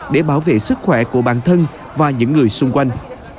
để bảo vệ sức khỏe của bản thân và những người xung quanh